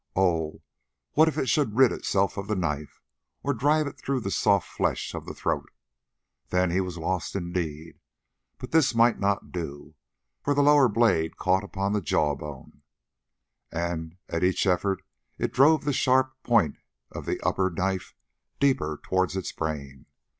Oh! what if it should rid itself of the knife, or drive it through the soft flesh of the throat? Then he was lost indeed! But this it might not do, for the lower blade caught upon the jawbone, and at each effort it drove the sharp point of the upper knife deeper towards its brain.